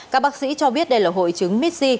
các bác sĩ cho biết đây là hội chứng mis z